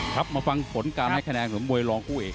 ครับมาฟังผลการให้คะแนนของมวยรองคู่เอก